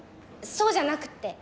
そうじゃなくって！